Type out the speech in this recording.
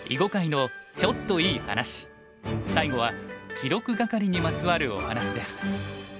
最後は記録係にまつわるお話です。